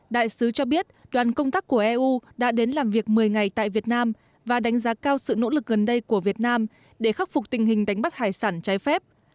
đại sứ cho biết đoàn công tác của eu đã đến làm việc một mươi ngày tại việt nam và đánh giá cao sự nỗ lực gần đây của việt nam để khắc phục tình hình đánh bắt hải sản trái phép